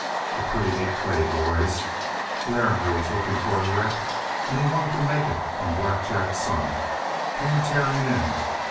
A pretty neat play, boys. Larrimer was looking for a rep, and he wanted to make it on Black Jack's son. Came tearing in.